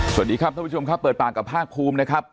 สวัสดีครับท่านผู้ชมครับเปิดปากกับภาคภูมินะครับ